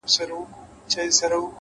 علم د بې لارې کېدو مخه نیسي